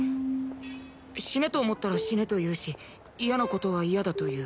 死ねと思ったら「死ね」と言うし嫌な事は「嫌だ」と言う。